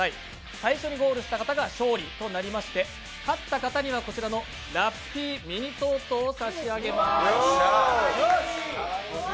最初にゴールした方が勝利となりまして勝った方にはこちらのラッピーミニトートを差し上げます。